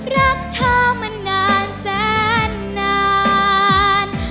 รักเธอมานานแสนนาน